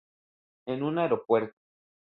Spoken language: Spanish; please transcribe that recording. En un aeropuerto.